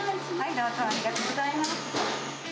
どうぞ、ありがとうございます。